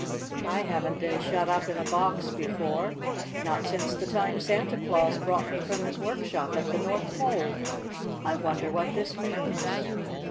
I haven't been shut up in a box before not since the time Santa Claus brought me from his workshop at the North Pole. I wonder what this means?"